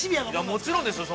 ◆もちろんですよ。